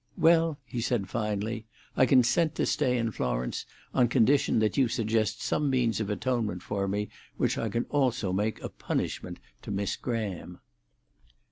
"Well," he said finally, "I consent to stay in Florence on condition that you suggest some means of atonement for me which I can also make a punishment to Miss Graham."